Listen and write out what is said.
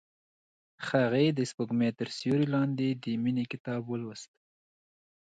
هغې د سپوږمۍ تر سیوري لاندې د مینې کتاب ولوست.